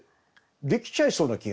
できちゃいそうな気がします。